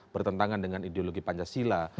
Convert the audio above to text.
bertentangan dengan ideologi pancasila